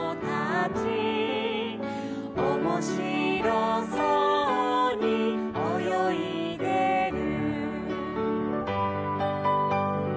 「おもしろそうにおよいでる」